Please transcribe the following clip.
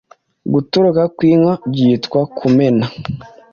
Gutoroka kw’inka byitwa Kumena